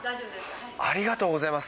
ありがとうございます。